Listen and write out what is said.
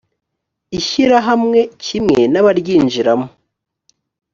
ishyirahamwe kimwe n abaryinjiramo